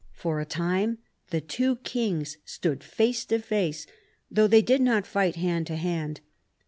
For a time the two kings stood face to face, though they did not fight hand to hand.